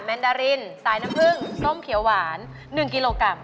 ดารินสายน้ำผึ้งส้มเขียวหวาน๑กิโลกรัม